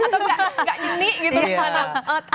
atau gak jini gitu